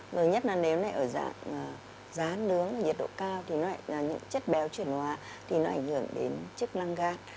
rồi nhất là nếu này ở dạng dán nướng nhiệt độ cao thì những chất béo chuyển hóa thì nó ảnh hưởng đến chức năng gan